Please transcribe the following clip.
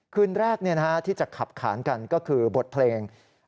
คืนแรกที่จะขับขานกันก็คือบทเพลง